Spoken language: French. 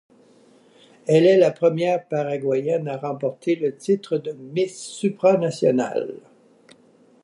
Elle est la première paraguayenne à remporter le titre de Miss Supranational.